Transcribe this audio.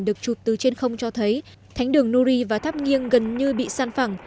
được chụp từ trên không cho thấy thánh đường nuri và tháp nghiêng gần như bị săn phẳng